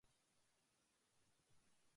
栃木県栃木市